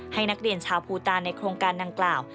ให้นักเรียนชาวภูตานในโครงการดังกล่าว